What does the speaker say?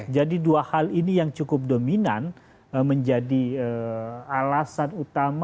jadi dua hal ini yang cukup dominan menjadi alasan utama